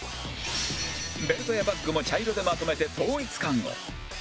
ベルトやバッグも茶色でまとめて統一感を